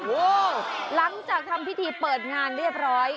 โอ้โหหลังจากทำพิธีเปิดงานเรียบร้อย